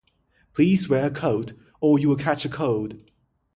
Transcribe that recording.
Please wear a coat, or you will catch a cold.